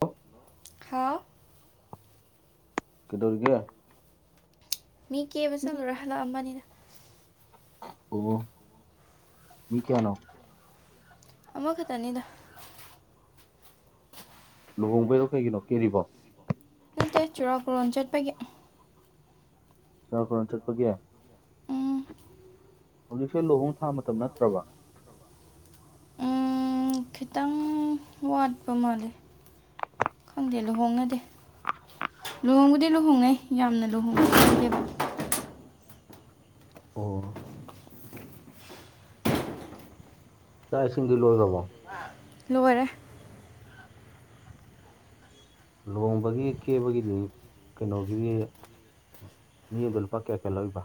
hello ꯍꯥꯎ ꯀꯩꯗꯧꯔꯤꯒꯦ ꯃꯤ ꯀꯦꯕ ꯆꯠꯂꯨꯔ ꯍꯜꯂꯛꯑꯝꯃꯅꯤꯗ ꯑꫭ ꯃꯤ ꯀꯌꯥꯅꯣ ꯑꯃꯥ ꯈꯛꯇꯅꯤꯗꯥ ꯂꯨꯍꯣꯡꯕꯩꯔꫭ ꯀꯩꯒꯤꯅꯣ ꯀꯦꯔꯤꯕꯣ ꯅꯠꯇꯦ ꯆꯨꯔꯥꯛꯀꯨꯔꯣꯟ ꯆꯠꯄꯒꯤ ꯆꯨꯔꯥꯀꯣꯔꫭꯟ ꯆꯠꯄꯒꯤ ꯎꯝ ꯍꯧꯖꯤꯛꯁꯦ ꯂꯨꯍꯣꯡ ꯊꯥ ꯃꯇꯝ ꯅꯠꯇ꯭ꯔꯕꯣ ꯎꯝ ꯈꯤꯇꯪ ꯋꯥꯠꯄ ꯃꯥꯜꯂꯦ ꯈꯪꯗꯦ ꯂꯨꯍꯣꯡꯅꯗꯦ ꯂꯨꯍꯣꯡꯕꯨꯗꯤ ꯂꯨꯍꯣꯡꯅꯩ ꯌꯥꯝꯅ ꯂꯨꯍꯣꯡꯅ ꯗꯦꯕ ꯑꯣ ꯆꯥꯛ ꯏꯁꯤꯡꯗꯤ ꯂꯣꯏꯔꯕꯣ [inaudible] ꯂꯣꯏꯔꯦ ꯂꯨꯍꯣꯡꯕꯒꯤ ꯀꯦꯕꯒꯤꯗꯤ ꯀꯩꯅꯣꯒꯤꯗꯤ ꯃꯤ ꯑꯝꯗ ꯂꯨꯄꯥ ꯀꯌꯥ ꯀꯌꯥ ꯂꯧꯔꯤꯕ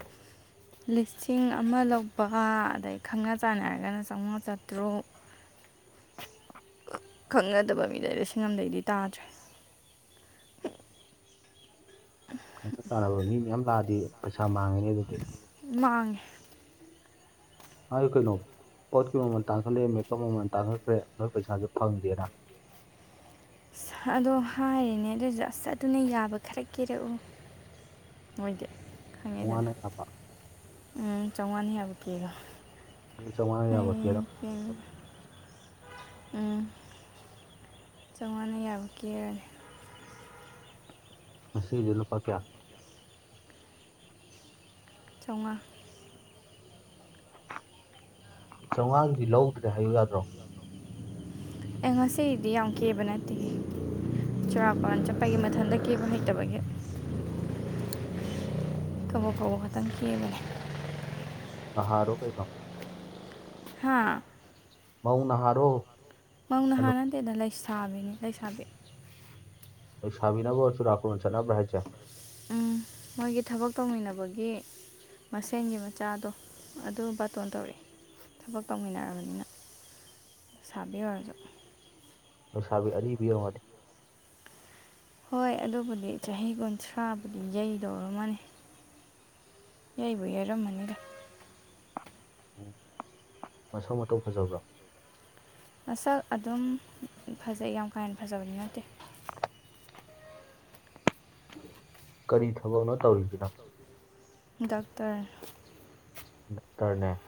ꯂꯤꯁꯤꯡ ꯑꯃ ꯂꯧꯕ ꯑꯗꯩ ꯈꯪꯅ ꯆꯥꯟꯅꯔꯒꯅ ꯆꯥꯎꯉꯥ ꯆꯥꯇ꯭ꯔꯨꯛ ꯈꯪꯅꯗꯕ ꯃꯤꯗꯥꯗꯤ ꯂꯤꯁꯤꯡ ꯑꯃꯗꯩꯗꯤ ꯇꯥꯗ꯭ꯔꯦ ꯈꯪꯅ ꯆꯥꯟꯅꯕ ꯃꯤ ꯃꯌꯥꯝ ꯂꯥꯛꯑꯗꯤ ꯄꯩꯁꯥ ꯃꯥꯡꯉꯦꯅꯦ ꯑꯗꯨꯗꯤ ꯃꯥꯡꯉꯦ ꯍꯥꯏ ꯀꯩꯅꯣ ꯄꯣꯠꯀꯤ ꯃꯃꯜ ꯇꯥꯡꯈꯠꯂꯦ ꯃꯦꯀꯞ ꯃꯃꯜ ꯇꯥꯡꯈꯠꯈ꯭ꯔꯦ ꯅꯣꯏ ꯄꯩꯁꯥꯖꯦ ꯐꯪꯗꯦꯅ ꯑꯁ ꯑꯗꯣ ꯍꯥꯏꯔꯦꯅꯦ ꯑꯗꯨꯏꯁꯨ ꯑꯁ ꯑꯗꯨꯅ ꯌꯥꯕ ꯈꯔ ꯀꯦꯔꯛꯎ ꯃꯣꯏꯗꯤ ꯈꯪꯉꯦꯗꯅ ꯆꯥꯝꯃꯉꯥꯅ ꯌꯥꯕ ꯎꯝ ꯆꯥꯎꯉꯥꯅ ꯌꯥꯕ ꯀꯦꯔꫭ ꯑꯗꯨꯗꯤ ꯆꯧꯉꯥꯅ ꯌꯥꯕ ꯀꯦꯔꯣ ꯎꯝ ꯎꯝ ꯆꯧꯉꯥꯅ ꯌꯥꯕ ꯀꯦꯔꯅꯤ ꯉꯁꯤꯒꯤꯗꯤ ꯂꯨꯄꯥ ꯀꯌꯥ ꯆꯧꯉꯥ ꯆꯧꯉꯥꯒꯤꯗꯤ ꯂꯧꯗ꯭ꯔꯦ ꯍꯥꯏꯌꯨ ꯌꯥꯗ꯭ꯔꯣ ꯑꯩ ꯉꯁꯤꯗꯤ ꯌꯥꯝ ꯀꯦꯕ ꯅꯠꯇꯦ ꯆꯨꯔꯥꯀꯨꯔꯣꯟ ꯆꯠꯄꯒꯤ ꯃꯊꯟꯗ ꯀꯦꯕ ꯍꯩꯇꯕꯒꯤ ꯀꯕꯣꯛ ꯀꯕꯣꯛ ꯈꯥꯇꯪ ꯀꯦꯕꯅꯦ ꯑꯍꯔꯣ ꯀꯩ ꯅꯣ ꯍꯥꯥ ꯃꯧꯅꯍꯥꯔꯣ ꯃꯧ ꯅꯍꯥ ꯅꯠꯇꯦꯗ ꯂꯩꯁꯥꯕꯤꯅꯤ ꯂꯩꯁꯥꯕꯤ ꯂꯩꯁꯕꯤꯅꯕꯨ ꯆꯨꯔꯀꯨꯔꯣꯟ ꯆꯠꯅꯕ꯭ꯔ ꯍꯥꯏꯁꯦ ꯎꯝ ꯃꯣꯏꯒꯤ ꯊꯕꯛ ꯇꯧꯃꯤꯟꯅꯕꯒꯤ ꯃꯁꯦꯟꯒꯤ ꯃꯆꯥꯗꯣ ꯑꯗꯨ ꯕꯇꯣꯟ ꯇꯧꯔꯛꯑꯦ ꯊꯕꯛ ꯇꯧꯃꯤꯟꯅꯔꯕꯅꯤꯅ ꯂꯩꯁꯥꯕꯤ ꯑꯣꯏꯔꯁꯨ ꯂꯩꯁꯥꯕꯤ ꯑꯔꯤꯕꯤ ꯑꯣꯢꯔꯝꯒꯅꯤ ꯍꯣꯏ ꯑꯗꯨꯕꯨꯗꯤ ꯆꯍꯤ ꯀꯨꯟꯊ꯭ꯔꯥꯕꯨꯗꯤ ꯌꯩꯗꯧꯔꯝꯃꯅꯤ ꯌꯥꯏꯕꯨ ꯌꯩꯔꯝꯃꯅꯤꯗ ꯎꯝ ꯃꯁꯛ ꯃꯇꯧ ꯐꯖꯕ꯭ꯔꯣ ꯃꯁꯛ ꯑꯗꯨꯝ ꯐꯖꯩ ꯌꯥꯝ ꯀꯥ ꯍꯦꯟꯅ ꯐꯖꯕꯗꯤ ꯅꯠꯇꯦ [unintelligible] ꯀꯔꯤ ꯊꯕꯛꯅꯣ ꯇꯧꯔꯤꯁꯤꯅ ꯗꯥꯛꯇꯔ ꯗꯣꯛꯇꯔꯅꯦ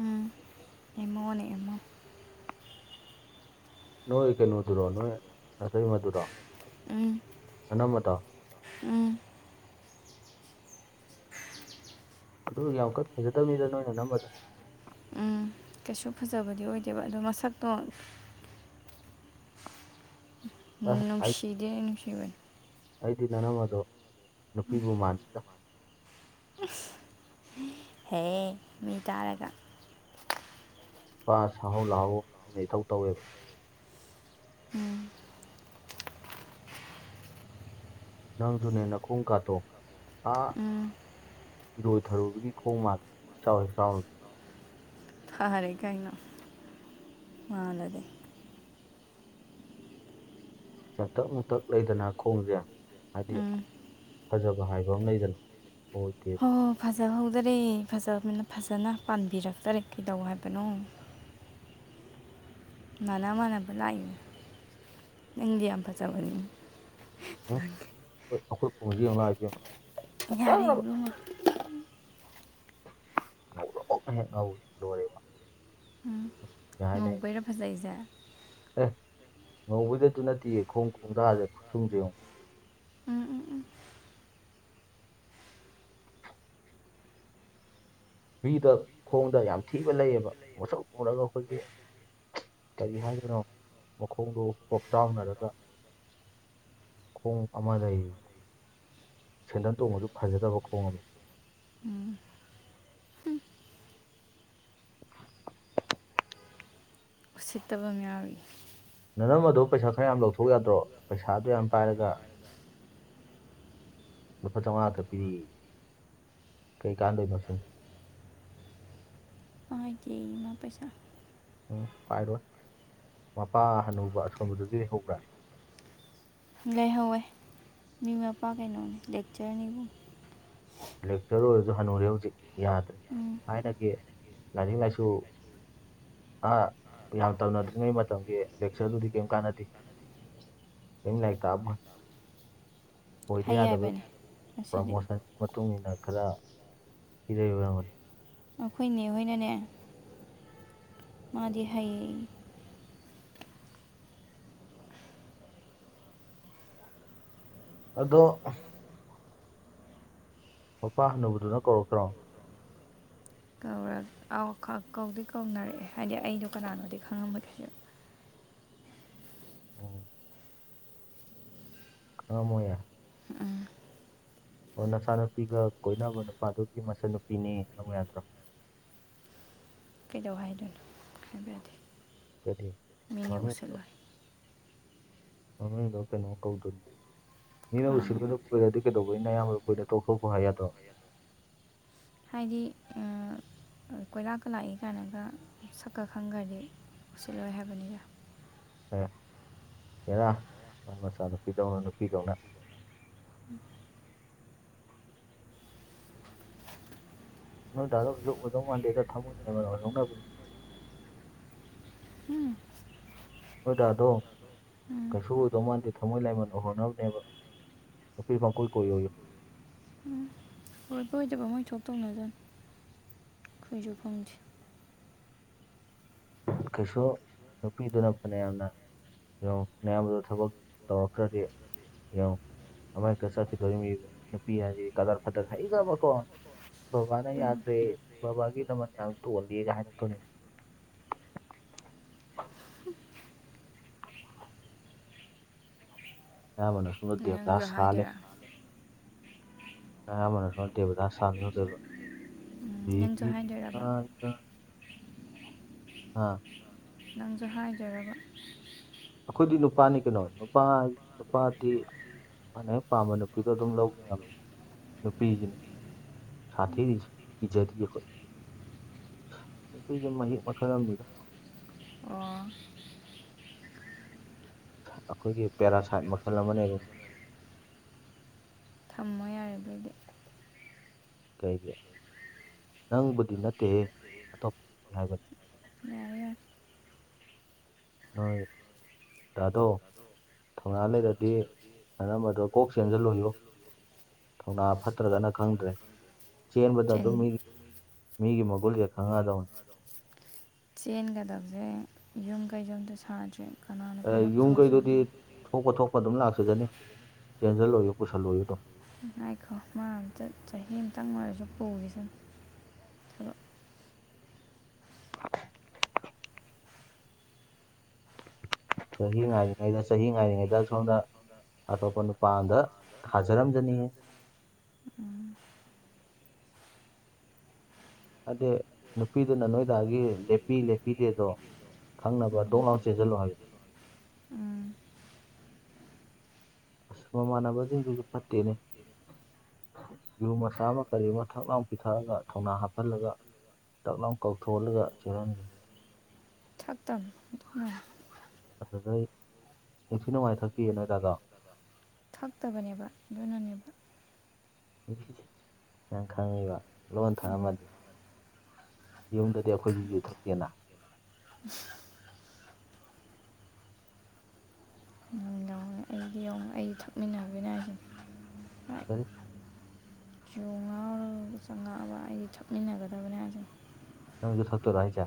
ꯎꯝ ꯑꯦꯝꯃꯣꯅꯦ ꯑꯦꯝꯃꯣ ꯅꯣꯏ ꯀꯩꯅꯣꯗꯨꯔꯣ ꯅꯣꯏ ꯅꯇꯩ ꯃꯗꯨꯔꯣ ꯎꯝ ꯅꯅꯝꯃꯗꯣ ꯎꯝ [unintelligible] ꯑꯗꯨ ꯌꯥꯝ ꯀꯟꯅ ꯐꯖꯗꯕꯅꯤꯗ ꯅꯣꯏꯅ ꯅꯅꯝꯃꯗꯣ ꯎꯝ ꯀꯩꯁꯨ ꯐꯖꯕꯗꯤ ꯑꯣꯏꯗꯦꯕ ꯑꯗꯣ ꯃꯁꯛꯇꯣ ꯑ, ꯑꯩ ꯅꯨꯡꯁꯤꯗꯤꯦ ꯅꯨꯡꯁꯤ ꯃꯅꯨꯡ ꯑꯩꯗꯤ ꯅꯅꯝ ꯑꯗꯣ ꯅꯨꯄꯤꯕꯨ ꯃꯥꯟꯗ ꯑ ꯍꯦ ꯃꯤ ꯇꯥꯔꯒ ꯄꯥ ꯁꯥꯍꯧ ꯂꯥꯛꯍꯧ ꯑꯣꯏꯅ ꯏꯊꯧ ꯇꯧꯋꯦꯕ ꯎꯝ ꯅꯪ ꯨꯅꯤꯅ ꯈꯨ ꯀꯥꯇ ꯑꯥ ꯎꯝ ꯏꯔꯣꯏ ꯊꯔꯨꯕꯒꯤ ꯈꯣꯡ ꯃꯥꯜꯂꯦ ꯆꯥꯎꯋꯦ ꯆꯥꯎꯋ ꯐꯔꯦ ꯀꯥꯏꯩꯅ ꯃꯥꯂꯗꯦ ꯆꯥꯎꯇꯛ ꯃꯨꯇꯛ ꯂꯩꯗꯅ ꯈꯣꯡꯁꯦ ꯍꯥꯏꯗꯤ ꯎꯝ ꯐꯖꯕ ꯍꯥꯏꯕ ꯑꯃ ꯂꯩꯗꯅ ꯑꯣꯏꯗꯦꯕ ꯍꯣ ꯐꯖꯍꯧꯗꯔꯦ ꯐꯖꯕꯤꯅ ꯐꯖꯅ ꯄꯥꯟꯕꯤꯔꯛꯇꯔꯦ ꯀꯩꯗꯧ ꯍꯥꯏꯕꯅꯣ ꯃꯅꯥ ꯃꯥꯟꯅꯕ ꯂꯥꯛꯏꯅꯤ ꯅꯪꯗꯤ ꯌꯥꯝ ꯐꯖꯕꯅꯤꯅ ꯎꯝ ꯑꯩꯈꯣꯢ ꯑꯩꯈꯣꯏ ꯈꯣꯡꯖ ꯌꯦꯡꯉꯨ ꯂꯥꯎ ꯏꯕꯦꯝꯃ ꯌꯥꯔꯦ ꯐꯖꯒ꯭ꯔꯕ ꯏꯕꯨꯡꯉꯣ ꯉꯧꯔꯣꯛ ꯍꯦꯛ ꯉꯧꯏ ꯂꯣꯢꯔꯦ ꯃ ꯉꯧꯕꯩꯔꯥ ꯐꯖꯩꯖꯦ ꯑꯦ ꯉꯧꯕꯩꯗꯁꯨ ꯅꯠꯇꯦꯌꯦ ꯈꯣꯡ ꯈꯣꯡꯗꯁꯦ ꯈꯨꯆꯨꯝꯁꯦ ꯌꯦꯡꯉꯨ ꯎꯝ ꯎꯝ ꯎꯝ ꯃꯤꯗ ꯈꯣꯡꯗ ꯌꯥꯝ ꯊꯤꯕ ꯂꯩꯌꯦꯕ ꯃꯣꯠꯁꯛ ꯎꯔꯒ ꯑꯩꯈꯣꯏꯒꯤ ꯀꯔꯤ ꯍꯥꯏꯗꯅꯣ ꯃꯈꯣꯡꯗꯨ ꯍꯣꯞꯆꯥꯎꯅꯔꯒ ꯈꯣꯡ ꯑꯃ ꯂꯩ ꯁꯦꯟꯗꯟ ꯇꯣꯡꯕꯁꯨ ꯐꯖꯗꯕ ꯈꯣꯡ ꯑꯃ ꯎꯝ ꯎꯁꯤꯠꯇꯕ ꯑꯃ ꯌꯥꯎꯔꯤ ꯅꯅꯪꯗꯣ ꯄꯩꯁꯥ ꯈꯔ ꯌꯥꯝ ꯂꯧꯊꯣꯛ ꯌꯥꯗ꯭ꯔꯣ ꯄꯩꯁꯥꯗꯨ ꯌꯥꯝ ꯄꯥꯏꯔꯒ ꯂꯨꯄꯥ ꯆꯥꯝꯃꯉꯥ ꯈ ꯄꯤꯔꯤ ꯀꯩ ꯀꯥꯟꯗꯣꯏꯃꯁꯦ ꯍꯥꯏꯒꯤꯃ ꯄꯩꯁꯥ ꯎꯝ ꯄꯥꯏꯔꯣꯏ ꯃꯄꯥ ꯑꯅꯧꯕ ꯑꯁꯣꯟꯕꯗꯨꯗꯒꯤ ꯍꯧꯕ꯭ꯔꯥ ꯂꯩꯍꯧꯋꯦ ꯃꯤ ꯃꯄꯥ ꯀꯩꯅꯣꯅꯤ ꯂꯦꯛꯆꯔꯅꯤꯕꯨꯡ ꯂꯦꯛꯆꯔꯔ ꯑꯣꯏꯔꯁꯨ ꯍꯟꯅꯨꯔꯦ ꯍꯧꯖꯤꯛ ꯌꯥꯗ꯭ꯔꯦ ꯎꯝ ꯊꯥꯏꯅꯒꯤ ꯂꯥꯏꯔꯤꯛ ꯂꯥꯏꯁꯨ ꯑ ꯌꯥꯝ ꯇꯧꯅꯗ꯭ꯔꯤꯉꯩ ꯃꯇꯝꯒꯤ ꯂꯦꯛꯆꯔꯗꯨꯗꯤ ꯀꯔꯤꯝ ꯀꯥꯟꯅꯗꯦ ꯀꯔꯤꯝ ꯂꯥꯏꯔꯤꯛꯛꯇꯥꯕ ꯑꯣꯏꯗ ꯍꯩ ꯌꯥꯗꯕ ꯍꯥꯏꯕꯅꯦ ꯑꯁꯤꯗꯤ ꯄ꯭ꯔꯣꯃꯣꯁꯟ ꯃꯇꯨꯡ ꯏꯟꯅ ꯈꯔ ꯄꯤꯔꯕ ꯉꯝꯒꯅꯤ ꯑꯩꯈꯣꯏꯅꯦ ꯍꯣꯏꯅꯅꯦ ꯃꯥꯗꯤꯦ ꯍꯥꯏ ꯑꯗꯣ ꯃꯄꯥ ꯍꯟꯅꯨꯕꯗꯨꯅ ꯀꯧꯔꯛꯇ꯭ꯔꯣ ꯑꯥꯎ ꯀꯧꯗꯤ ꯀꯧꯅꯔꯛꯑꯦ ꯍꯥꯏꯗꯤ ꯑꯩꯗꯣ ꯀꯅꯥꯅꯣꯗꯤ ꯈꯪꯉꯝꯕꯒꯦ ꯎꯝ ꯀꯝ ꯑꯣꯏꯦ ꯎꯝ ꯑꯣ ꯅꯆꯥꯅꯨꯄꯤꯒ ꯀꯣꯏꯅꯕ ꯅꯨꯄꯥꯗꯨꯒꯤ ꯃꯆꯟꯅꯨꯄꯤꯅꯤ ꯍꯥꯏꯝ ꯌꯥꯗ꯭ꯔꯣ ꯀꯩꯗꯧ ꯍꯥꯏꯗꯣꯏꯅꯣ ꯍꯥꯏꯕꯗꯤꯦ ꯀꯗꯤ ꯑꯅꯤ ꯎꯁꯤꯜꯂꯣꯏ ꯃꯃꯤꯡꯗꯣ ꯀꯩꯅꯣ ꯀꯧꯗꯣꯏꯅꯤ ꯃꯤꯅ ꯀꯅꯥꯅꯣ ꯎꯁꯤꯜꯂꯗ ꯀꯨꯏꯔ ꯑꯗꯨ ꯀꯩꯗꯧꯕꯒꯤꯩꯅ ꯑꯌꯥꯝꯕ ꯀꯨꯔ ꯇꯣꯛꯊꯣꯛꯄ ꯍꯥꯏ ꯌꯥꯗ꯭ꯔꯣ ꯍꯥꯏꯗꯤ ꯀꯣꯏꯔꯥꯛꯀ ꯂꯥꯛꯏ ꯀꯥꯏꯅꯒ ꯁꯛꯀ ꯈꯪꯈ꯭ꯔꯗꯤ ꯁꯤꯜꯂꯣꯏ ꯍꯥꯏꯕꯅꯤꯅ ꯍꯔꯥ ꯃ ꯃꯆꯥ ꯅꯨꯄꯤꯗꯧꯅ ꯅꯨꯄꯤꯗꯧꯅ ꯅꯣꯏ ꯗꯥꯗ ꯍꯧꯖꯤꯛ ꯑꯣꯏꯗꯧ ꯃꯥꯟꯗꯦꯗ ꯊꯝꯃꯣꯏꯅꯦꯕꯅꯣꯣꯏꯍꯧꯅꯕꯅꯤ ꯎꯝ ꯅꯣꯏꯗꯥꯗꯣ ꯎꯝ ꯀꯩꯁꯨ ꯑꯣꯏꯗꯧ ꯃꯥꯟꯗꯦ ꯊꯃꯣꯏ ꯂꯥꯏꯃꯟ ꯑꯣꯏꯍꯣꯅꯕꯅꯦꯕ ꯐ ꯃꯥ ꯀꯣꯏ ꯀꯣꯏ ꯑꯣꯏꯌꯣ ꯎꯝ ꯐꯣꯏꯕꯣꯏꯗꯕ ꯃꯣꯏ ꯁꯣꯛ ꯇꯧꯅꯗꯅ ꯑꯩꯈꯣꯏꯁꯨ ꯐꯪꯗꯦ ꯀꯩꯁꯨ ꯅꯨꯄꯤꯗꯨꯅ ꯐꯅ ꯌꯥꯝꯅ ꯀꯣ ꯃꯌꯥꯝꯕꯗ ꯊꯕꯛ ꯇꯧꯔꯛꯇ꯭ꯔꯗꯤ ꯌꯦꯡꯉ ꯑꯃꯥꯏꯛꯇ ꯁꯛꯈꯤꯗꯣꯏ ꯅꯨꯄꯤ ꯍꯥꯏꯁꯤꯦ ꯀꯗꯥꯔ ꯐꯠꯇ ꯍꯥꯏꯗꯕꯀꯣ ꯕꯕꯥꯅ ꯎꯝ ꯌꯥꯗ꯭ꯔꯦ ꯕꯕꯥꯒꯤ ꯅꯃ ꯌꯥꯝ ꯇꯣꯍꯜꯂꯤꯦꯒ ꯍꯥꯏꯅ ꯇꯅꯦ ꯌꯥꯔ ꯁꯨꯝꯣ ꯗꯦꯕꯗꯥ ꯅꯪꯁꯨ ꯁ ꯁꯥꯍꯦ ꯍꯥꯏꯗꯣꯏꯔꯥ ꯑꯌꯥꯝ ꯑꯃꯅ ꯁꯅ ꯗꯦꯕꯗ ꯎꯝ ꯅꯪꯁꯨ ꯁꯅꯤꯌꯗꯣꯏꯕꯒꯤ ꯍꯥꯏꯗꯣꯏꯔꯕ ꯑꯥ ꯂꯝꯝ ꯍꯔ ꯔꯕ ꯑꯩꯈꯣꯏꯗꯤ ꯅꯨꯄꯥꯅꯤ ꯀꯩꯅꯣ ꯅꯨꯄꯥ ꯅꯨꯄꯥꯗꯤ ꯃꯥꯥꯟꯅ ꯍꯦꯛ ꯄꯥꯝꯕ ꯅꯨꯄꯤꯗꯣ ꯑꯗꯨꯝ ꯂꯧꯕꯈꯤ ꯉꯝꯃꯤ ꯅꯨꯄꯤꯁꯤꯅꯤ ꯁꯥꯇꯤ ꯎꯝ ꯏꯖꯗꯤ ꯍꯣꯏ ꯅꯨꯄꯤꯁꯦ ꯃꯍꯤ ꯃꯈꯜ ꯑꯃꯅꯤꯗ ꯑꯣ ꯑꯩꯈꯣꯏꯒꯤ ꯄꯦꯔꯥꯁꯥꯏꯠ ꯃꯈꯜ ꯑꯃꯅꯦꯕꯣꯏ ꯊꯝꯃ ꯌꯥꯦꯔꯕꯗꯤ ꯀꯩꯒꯤ ꯅꯪꯕꯨꯗꯤ ꯅꯠꯇꯦ ꯑꯇꯣꯞ ꯍꯥꯏꯕꯅꯣ ꯌꯥꯔꯦ ꯌꯥꯔꯦ ꯍꯣꯏ ꯇꯥꯗꯣ ꯊꯧꯅꯥ ꯂꯩꯔꯗꯤ ꯑꯅꯝꯕꯗꯣ ꯀꯣꯛ ꯆꯦꯟꯁꯤꯜꯂꯨꯌꯣ ꯊꯧꯅꯥ ꯐꯠꯇ꯭ꯔꯒꯅ ꯈꯪꯗ꯭ꯔꯦ ꯆꯦꯟꯕꯠꯇ ꯇꯣ ꯃꯤꯒꯤ ꯃꯤꯒꯤ ꯃꯣꯒꯣꯜꯁꯦ ꯈꯪꯉ ꯇ ꯆꯦꯟꯒꯗꯕꯁꯦ ꯌꯨꯝ ꯀꯩ ꯌꯨꯝꯗ ꯁꯥꯗ꯭꯭ꯔꯦ ꯀꯅꯥꯅ ꯑꯦ, ꯄꯩꯁꯥ ꯄꯨꯊꯣꯛꯑ ꯌꯨꯝꯈꯩꯗꯨꯗꯤ ꯁꯗꯦ ꯊꯣꯛꯄ ꯊꯣꯛꯄ ꯑꯗꯨꯝ ꯂꯥꯛꯆꯗꯅꯤ ꯆꯦꯟꯁꯤꯜꯂꯣꯏꯌꯨ ꯄꯨꯁꯜꯂꯣꯏꯨ ꯑꯗꯨꯝ ꯅꯨꯡ ꯉꯥꯏꯈꯣ ꯃꯔꯝꯇ ꯆꯍꯤ ꯑꯃꯇꯪ ꯑꯣꯏꯔꯁꯨ ꯄꯨꯈꯤꯁꯅ ꯆꯍꯤ ꯉꯥꯏꯔꯤꯉꯩꯗ ꯆꯍꯤ ꯉꯥꯏꯔꯤꯉꯩꯗ ꯁꯣꯝꯗ ꯑꯇꯣꯞꯄ ꯅꯨꯄꯥ ꯑꯗ ꯊꯖꯔꯝꯖꯅꯤꯡꯏ ꯎꯝ ꯑꯗꯨꯗꯗꯤ ꯅꯨꯄꯤꯗꯨꯅ ꯅꯣꯏꯗꯥꯒꯤ ꯂꯦꯞꯄꯤ ꯂꯦꯞꯄꯤꯗꯦꯗꯣ ꯈꯪꯅꯕ ꯗꯣꯛ ꯎꯝ ꯂꯥꯎꯟ ꯆꯦꯁꯤꯜꯂꯣ ꯍꯥꯏꯌꯣ ꯎꯝ ꯑꯃꯥ ꯃꯥꯟꯅꯕꯥ ꯁꯨꯁꯨ ꯐꯥꯠꯇꯦꯅꯦ ꯌꯨ ꯃꯆꯥ ꯑꯃ ꯀꯔꯤ ꯑꯃ ꯊꯛ ꯂꯎ ꯄꯤꯊꯛꯑꯒ ꯊꯧꯅꯥ ꯍꯥꯞꯆꯜꯂꯒ ꯇꯥꯛꯂꯝ ꯀꯧꯊꯣꯛꯜꯂꯒ ꯆꯦꯜꯍꯟꯒꯦ ꯊꯛꯇꯝ ꯑꯗꯨꯗꯩ ꯌꯥꯝꯁꯨ ꯅꯨꯡꯉꯥꯏ ꯊꯛꯈꯤ ꯅꯣꯏ ꯇꯥꯗꯣ ꯊꯛꯇꯕꯅꯦꯕ ꯑꯗꯨꯅꯅꯦꯕ ꯅꯨꯄꯤꯁ ꯌꯥꯝ ꯈꯪꯉꯤꯕ ꯂꯣꯟ ꯊꯥꯛꯝꯃ ꯌꯨꯝꯗꯗꯤ ꯑꯩꯈꯣꯏꯁꯨ ꯌꯨꯊꯠꯇꯦꯅ ꯅꯨꯡꯗꯥꯡ ꯑꯩꯗꯤ ꯌꯦꯡꯉꯣ ꯑꯩ ꯊꯛꯃꯤꯟꯅꯕꯤꯅ ꯍ ꯌꯣ ꯉꯥꯎꯔꯒ ꯆꯪꯉꯛꯑꯕ ꯑꯩꯗꯤ ꯊꯛꯃꯤꯟꯅꯒꯗꯕꯅꯦꯁ ꯅ ꯊ ꯁꯛꯇꯔ ꯍꯥꯏꯖ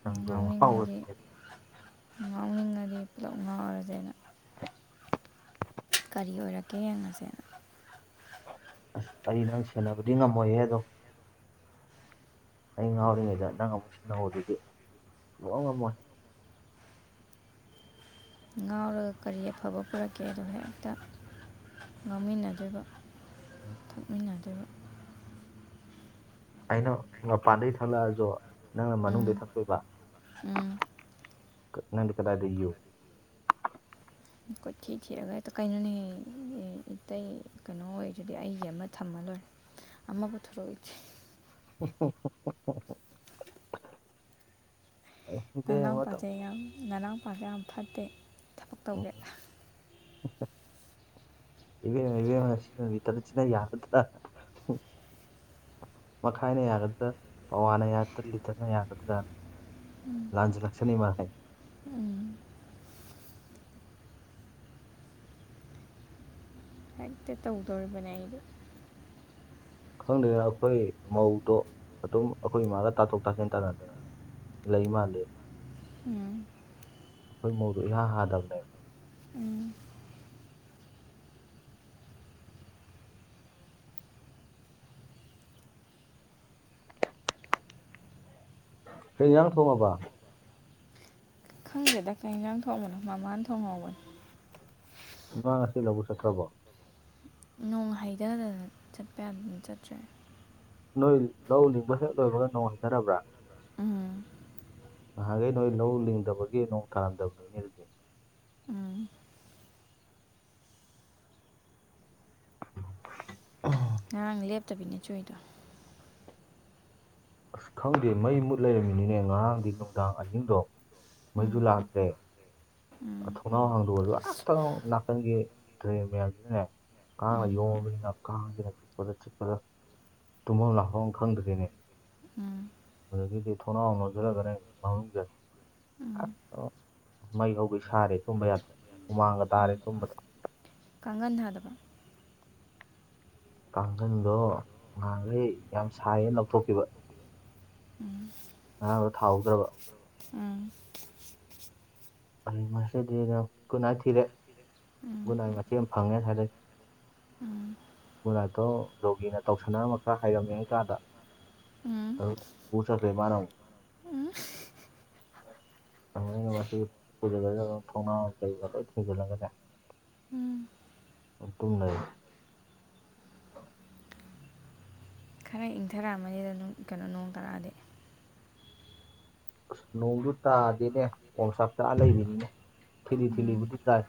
ꯅꯪꯣ ꯍ ꯉꯥꯎꯅꯤꯡꯉꯗꯤ ꯉꯥꯎꯅꯤꯡꯉꯗꯤ ꯄꯨꯂꯞ ꯑꯣꯏꯔ ꯑꯗꯨꯅ ꯀꯔꯤ ꯑꯣꯏꯔꯛꯀꯦ ꯌꯦꯡꯉꯁꯦꯅ ꯑꯁ ꯑꯩꯔꯤ ꯅꯪ ꯁꯦꯟꯅꯕꯗꯤ ꯉꯝꯃꯣꯏꯍꯦ ꯑꯗꯣ ꯑꯩ ꯉꯥꯎꯔꯤꯉꯩꯗ ꯅꯪ ꯑꯃꯨꯛ ꯁꯤꯍꯧꯕꯗꯨꯗꯤ ꯂꯥꯎ ꯉꯝꯃꯣꯏ ꯑꯗꯨꯒ ꯀꯔꯤ ꯑꯐꯕ ꯄꯨꯔꯛꯀꯦ ꯑꯗꯣ ꯍꯦꯛꯇ ꯉꯥꯡꯃꯤꯟꯅꯗꯣꯏꯕ ꯊꯣꯛꯃꯤꯟꯅꯗꯣꯢꯕ ꯑꯩꯅ ꯃꯄꯥꯟꯗꯩ ꯊꯛꯂꯛꯑꯁꯨ ꯅꯪꯅ ꯃꯅꯨꯡꯗ ꯎꯝ ꯊꯛꯇꯣꯏꯕ ꯎꯝ ꯅꯪꯗꯤ ꯀꯗꯥꯏꯗꯒꯤ ꯌꯨ ꯀꯣꯠꯊꯤ ꯊꯤꯔꯒ ꯍꯦꯛꯇ ꯀꯩꯅꯣꯅꯦ ꯏꯇꯩ ꯀꯩꯅꯣ ꯑꯣꯏꯔꯗꯤ ꯑꯩ ꯑꯃ ꯊꯝꯃ ꯂꯣꯏꯔꯦ ꯑꯃ ꯄꯨ ꯊꯣ ꯔꯛꯑꯣꯁꯦ ꯍꯥ ꯍꯥ ꯍꯥ ꯅꯅꯥꯎ ꯅꯨꯄꯥꯖꯦ ꯌꯥꯝ ꯅꯅꯥꯎ ꯄꯥꯁꯦ ꯌꯥꯝ ꯐꯠꯇꯦ ꯊꯕꯛ ꯇꯧꯒꯦ [inaudible] ꯏꯕꯦꯝ ꯏꯕꯦꯝ ꯁꯤꯅ ꯂꯤꯇꯔ ꯁꯤꯅ ꯌꯥꯒꯗꯔꯥ ꯃꯈꯥꯏꯅ ꯌꯥꯒꯗ꯭ꯔꯥ ꯄꯋꯥꯅ ꯌꯥꯒꯗ꯭ꯔꯥ ꯂꯤꯇꯔꯅ ꯌꯥꯒꯗ꯭ꯔꯥꯅ ꯂꯥꯟ ꯂꯛꯁ ꯅ ꯃꯥꯦ ꯎꯝ ꯍꯦꯛꯇ ꯇꯧꯗꯣꯔꯤꯕꯅꯦ ꯑꯩꯗꯣ ꯈꯪꯗꯦꯅ ꯑꯩꯈꯣꯏ ꯃꯧꯗꯣ ꯑꯗꯨꯝ ꯑꯩꯈꯣꯏ ꯏꯃꯥꯒ ꯇꯥꯊꯣꯛ ꯇꯥꯁꯤꯟ ꯇꯥꯟꯅꯗꯅ ꯂꯩ ꯃꯥꯥꯟꯂꯦ ꯎꯝ ꯑꯩꯈꯣꯏ ꯃꯣꯔꯨ ꯏꯍꯥ ꯍꯥꯗꯕꯅꯦꯕ ꯎꯝ ꯍꯩ ꯌꯥꯪ ꯊꯣꯉꯕ ꯈꯪꯖꯦꯗ ꯀꯥꯏꯅꯪ ꯊꯣꯡꯕꯅ ꯃꯃꯥꯅ ꯊꯣꯡꯉꯧꯕꯅꯤ ꯢꯃꯥ ꯉꯁꯤ ꯂꯕꯨꯛ ꯆꯠꯇ꯭ꯔꯕꯣ ꯅꯣꯡ ꯍꯩꯗꯗꯅ ꯆꯠꯄ ꯌꯥꯗꯗꯅ ꯆꯠꯇ꯭ꯔꯦ ꯅꯣꯏ ꯂꯧ ꯂꯤꯡꯕ ꯍꯦꯛ ꯂꯣꯏꯕꯒ ꯅꯣꯡ ꯍꯩꯗꯔꯕ꯭ꯔꯥ ꯎꯝ ꯅꯍꯥꯟꯒꯩ ꯅꯣꯏ ꯂꯧ ꯂꯤꯡꯗꯕꯒꯤ ꯅꯣꯡ ꯇꯥꯔꯝꯗꯕꯅꯤꯅꯦ ꯑꯗꯨ ꯎꯝ ꯑꯣ ꯉꯔꯥꯡ ꯂꯦꯞꯇꯕꯤꯅꯦꯆꯨꯏꯗꯣ ꯑꯁ ꯈꯪꯗꯦ ꯃꯩ ꯃꯨꯠ ꯂꯩꯔꯝꯃꯤꯅꯤꯅꯦ ꯉꯔꯥꯡꯗꯤ ꯅꯨꯡꯗꯥꯡ ꯑꯍꯤꯡꯗꯣ ꯃꯩꯖꯨ ꯎꯝ ꯂꯥꯛꯇꯦ ꯎꯝ ꯊꯣꯡꯅꯥꯎ ꯍꯥꯡꯗꯣꯛꯑꯁꯨ ꯑ ꯅꯥꯀꯟꯒꯤ ꯇꯨꯔꯦꯟ ꯃꯌꯥꯝꯁꯤꯅꯅꯦ ꯀꯥꯡꯅ ꯎꯝ ꯌꯣꯝꯃꯕꯅꯤꯅ ꯀꯥꯡꯁꯤꯅ ꯆꯤꯛꯄꯗ ꯆꯤꯛꯄꯗ ꯇꯨꯝꯐꯝ ꯂꯥꯛꯐꯝ ꯈꯪꯗ꯭ꯔꯦꯅꯦ ꯎꯝ ꯑꯗꯒꯤꯗꯤ ꯊꯣꯡꯅꯥꯎ ꯂꯣꯟꯖꯤꯜꯂꯒꯅꯦ ꯃꯅꯨꯡꯗ ꯎꯝ ꯍꯦꯛꯇ ꯃꯩ ꯍꯧꯒꯩ ꯁꯥꯔꯦ ꯇꯨꯝꯕ ꯌꯥꯗ꯭ꯔꯦ ꯍꯨꯃꯥꯡꯒ ꯇꯥꯔꯦ ꯇꯨꯝꯕꯗ ꯀꯥꯡꯒꯟ ꯊꯥꯗꯕ ꯀꯥꯡꯒꯟꯗꯣ ꯅꯍꯥꯟꯒꯩ ꯌꯥꯝ ꯁꯥꯏꯌꯦꯅ ꯂꯧꯊꯣꯛꯈꯤꯕ ꯎꯝ ꯉꯔꯥꯡꯗꯣ ꯊꯥꯍꯧꯗ꯭ꯔꯕ ꯑꯥ ꯑꯩ ꯃꯁꯤꯗꯤꯅ ꯒꯨꯠꯅꯥꯏꯠ ꯊꯤꯔꯦ ꯎꯝ ꯒꯨꯠꯅꯥꯏꯠ ꯃꯆꯦꯠ ꯐꯪꯉꯦ ꯑꯁꯥꯢꯗꯩ ꯎꯝ ꯃꯅꯥꯠꯇꯣ ꯌꯖꯣꯒꯤꯅ ꯇꯧꯁꯟꯅꯔꯝꯕ ꯈꯔ ꯍꯥꯏꯔꯝꯃꯤ ꯀꯥꯟꯗ ꯎꯝ ꯑꯗꯨꯝ ꯄꯨꯔ ꯆꯠꯈ꯭ꯔꯦ ꯃꯅꯥ ꯑꯃꯨꯛ ꯎꯝ ꯑꯗꯨꯗꯒꯤ ꯃꯁꯤ ꯄꯨꯖꯜꯂ ꯊꯧꯅꯥ ꯀꯩꯒ ꯂꯣꯏ ꯊꯤꯡꯖꯤꯜꯂꯒꯅꯦ ꯎꯝ ꯑꯗꯨꯝ ꯇꯨꯝꯂꯩꯕ ꯈꯔ ꯏꯪꯊꯔꯛꯑꯃꯅꯤꯗ ꯀꯩꯅꯣ ꯅꯣꯡ ꯇꯔꯛꯑꯗꯤ ꯑꯁ ꯅꯣꯡꯖꯨ ꯇꯥꯗꯦꯅꯦ ꯑꯣꯝꯆꯥꯛ ꯆꯥꯛꯑ ꯂꯩꯔꯤꯅꯤꯅꯦ ꯊꯤꯠꯂꯤ ꯎꯝ ꯊꯤꯠꯂꯤꯕꯨꯗꯤ ꯇꯥꯔꯦ